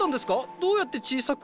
どうやって小さく？